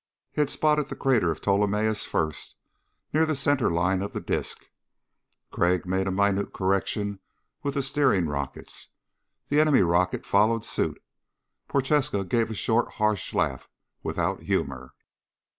He spotted the Crater of Ptolemaeus first, near the center line of the disc. Crag made a minute correction with the steering rockets. The enemy rocket followed suit. Prochaska gave a short harsh laugh without humor.